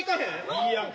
いいやんか。